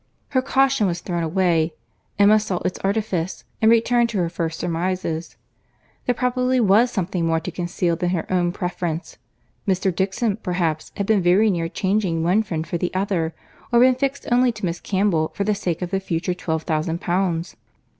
Her caution was thrown away. Emma saw its artifice, and returned to her first surmises. There probably was something more to conceal than her own preference; Mr. Dixon, perhaps, had been very near changing one friend for the other, or been fixed only to Miss Campbell, for the sake of the future twelve thousand pounds.